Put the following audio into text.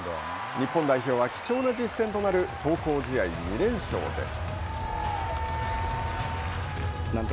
日本代表は、貴重な実戦となる壮行試合２連勝です。